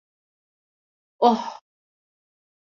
Oh…